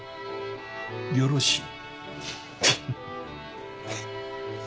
よろしい。